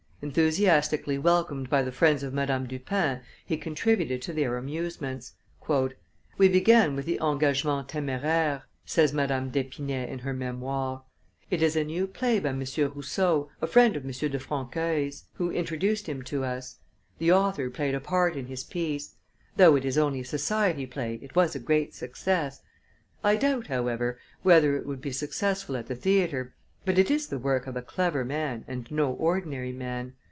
Enthusiastically welcomed by the friends of Madame Dupin, he contributed to their amusements. "We began with the Engagement temeraire," says Madame d'Epinay in her Memoires: "it is a new play by M. Rousseau, a friend of M. de Francueil's, who introduced him to us. The author played a part in his piece. Though it is only a society play, it was a great success. I doubt, however, whether it would be successful at the theatre, but it is the work of a clever man and no ordinary man.